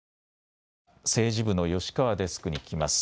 政治部の吉川デスクに聞きます。